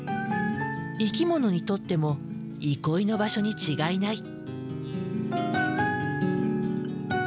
生き物にとっても憩いの場所に違いない。